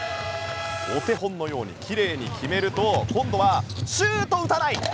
お手本のようにきれいに決めると今度は、シュートを打たない！